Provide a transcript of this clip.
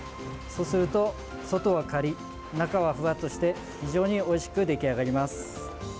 そうすると、外はカリッ中はフワッとして非常においしく出来上がります。